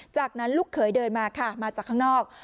จากนั้นลูกเขยเดินมาค่ะมาจากข้างนอก